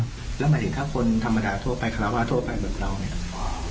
แล้วหมายถึงถ้าคนธรรมดาทั่วไปคาราวาสทั่วไปเหมือนเราเนี่ย